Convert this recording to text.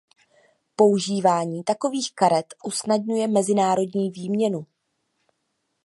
Používání takových karet usnadňuje mezinárodní výměnu.